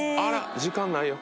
時間ないよ。